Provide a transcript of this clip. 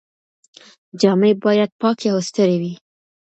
جامې بايد پاکې او سترې وي.